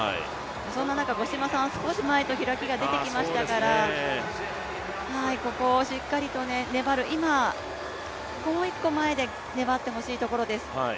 そんな中、五島さんは少し前と開きが出てきましたから、ここをしっかりと粘る、今もう一個前で粘ってほしいところです。